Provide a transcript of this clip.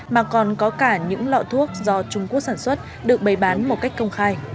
mà còn có cả những lọ thuốc do trung quốc sản xuất được bày bán một cách công khai